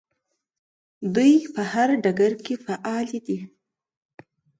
دوی په هر ډګر کې فعالې دي.